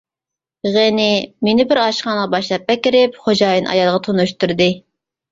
غېنى مېنى بىر ئاشخانىغا باشلاپ ئەكىرىپ خوجايىن ئايالغا تونۇشتۇردى.